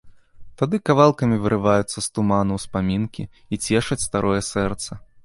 Тады кавалкамі вырываюцца з туману ўспамінкі і цешаць старое сэрца.